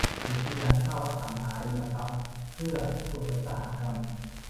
สิทธิการเช่าอสังหาริมทรัพย์เพื่ออุตสาหกรรม